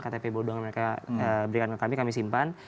ktp bodong yang mereka berikan ke kami kami simpan